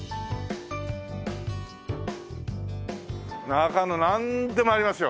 中野なんでもありますよ。